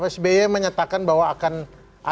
pak sby menyatakan bahwa akan ada yang mengajak